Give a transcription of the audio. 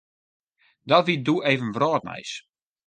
Dat wie doe even wrâldnijs.